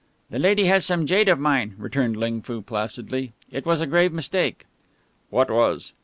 "The lady has some jade of mine," returned Ling Foo, placidly. "It was a grave mistake." "What was?"